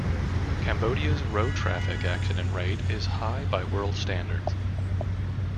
Cambodia's road traffic accident rate is high by world standards.